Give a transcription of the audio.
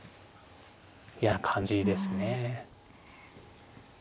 やな感じですね。